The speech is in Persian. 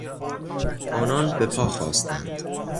آنان بهپا خاستند.